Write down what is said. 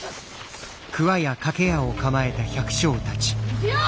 いくよ！